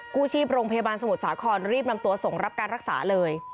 กู้ชีพโรงพยาบาลสมุทรสาครรีบนำตัวส่งรับการรักษาเลย